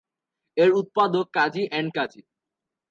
এর উৎপাদক কাজী এন্ড কাজী।